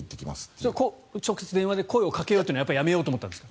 それは直接電話で声をかけようというのはやめようと思ったんですか？